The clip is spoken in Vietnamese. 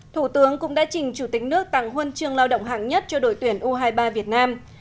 thủ tướng cũng đã trình chủ tịch nước tặng huân chương lao động hạng nhất cho đội tuyển u hai mươi ba việt nam